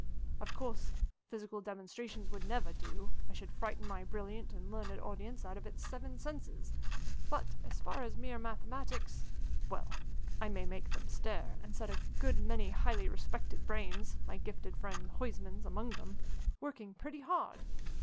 Of course, physical demonstrations would never do: I should frighten my brilliant and learned audience out of its seven senses; but, as for mere mathematics well, I may make them stare, and set a good many highly respected brains my gifted friend Huysman's, among them working pretty hard.